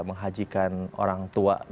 menghajikan orang tua